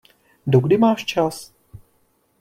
Dokdy máš čas?